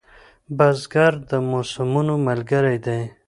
بزګر د موسمونو ملګری دی